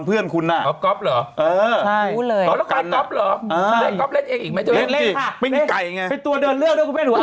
เป็นที่เห็นแล้วอ่ะโอ้โห